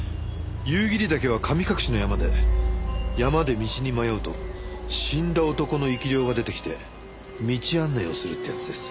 夕霧岳は神隠しの山で山で道に迷うと死んだ男の生き霊が出てきて道案内をするってやつです。